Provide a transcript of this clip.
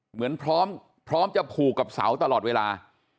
เหมือนพร้อมจะผูกกับเสาตลอดเวลา